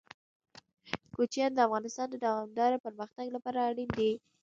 کوچیان د افغانستان د دوامداره پرمختګ لپاره اړین دي.